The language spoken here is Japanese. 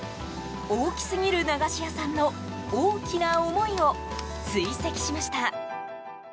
大きすぎる駄菓子屋さんの大きな思いを追跡しました。